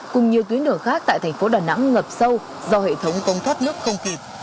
cùng nhiều tuyến đường khác tại thành phố đà nẵng ngập sâu do hệ thống cống thoát nước không kịp